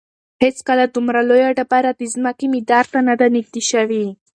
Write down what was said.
هیڅکله دومره لویه ډبره د ځمکې مدار ته نه ده نږدې شوې.